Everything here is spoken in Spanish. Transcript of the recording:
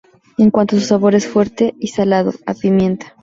En cuanto a su sabor, es fuerte y salado, a pimienta.